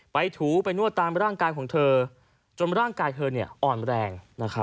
ถูไปนวดตามร่างกายของเธอจนร่างกายเธออ่อนแรง